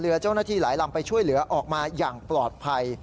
เจ้าหน้าที่หลายลำไปช่วยเหลือออกมาอย่างปลอดภัย